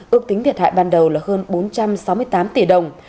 ước tính thiệt hại ban đầu là hơn bốn trăm sáu mươi tám tỷ đồng